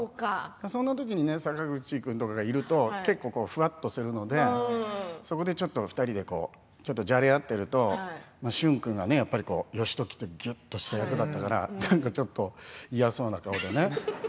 その時に坂口君とかがいるとふわっとするのでそこでちょっと２人でじゃれ合っていると旬君がね義時ってぎゅっとした役だったからなんかちょっと嫌そうな顔でね